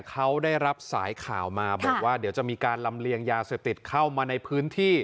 เขาได้รับสายข่าวมาบอกว่าเดี๋ยวจะมีการลำเลียงยาเสพติดเข้ามาในพื้นที่